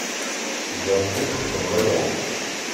Baṭel i txeddmeḍ aya?